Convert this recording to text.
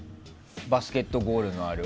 バスケットゴールのある。